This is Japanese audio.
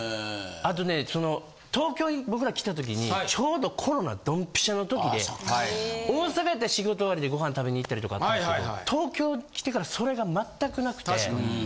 あとね東京に僕ら来た時にちょうどコロナどんぴしゃの時で大阪やったら仕事終わりでご飯食べに行ったりとかあったんですけど東京来てからそれがまったくなくて。